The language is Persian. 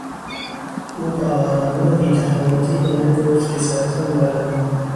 او با آرامی و بی تفاوتی به من گفت که سرطان دارم.